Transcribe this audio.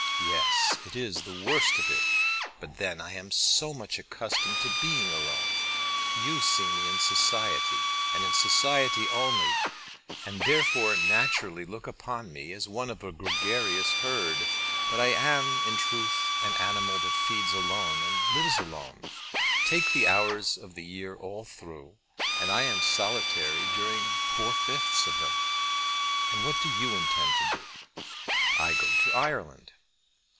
"Yes; it is the worst of it. But then I am so much accustomed to be alone. You see me in society, and in society only, and therefore naturally look upon me as one of a gregarious herd; but I am in truth an animal that feeds alone and lives alone. Take the hours of the year all through, and I am a solitary during four fifths of them. And what do you intend to do?" "I go to Ireland."